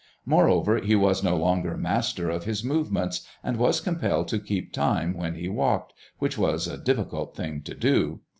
Moreover, he was no longer master of his movements, and was compelled to keep time when he walked, which was a difficult thing to do.